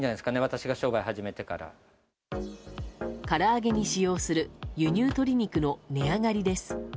から揚げに使用する輸入鶏肉の値上がりです。